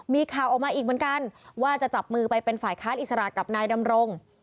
มีข่าวออกมาอีกเหมือนกันว่าจะจับมือไปเป็นฝ่ายค้านอิสระกับนายดำรง